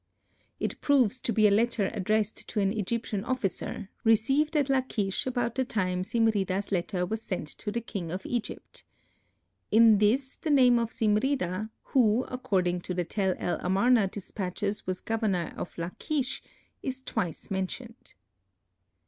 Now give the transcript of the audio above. It proves to be a letter addressed to an Egyptian officer, received at Lachish about the time Zimrida's letter was sent to the king of Egypt. In this the name of Zimrida, who, according to the Tel el Amarna dispatches was governor of Lachish, is twice mentioned.